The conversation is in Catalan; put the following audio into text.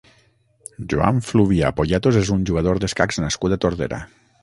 Joan Fluvià Poyatos és un jugador d'escacs nascut a Tordera.